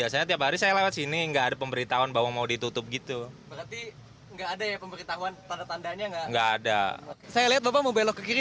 saya lihat bapak mau belok ke kiri